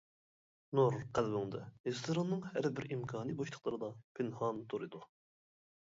نۇر قەلبىڭدە، ھېسلىرىڭنىڭ ھەربىر ئىمكانى بوشلۇقلىرىدا پىنھان تۇرىدۇ.